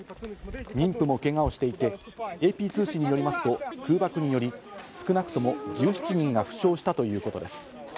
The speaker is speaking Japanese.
妊婦もけがをしていて、ＡＰ通信によりますと、空爆により少なくとも１７人が負傷したということです。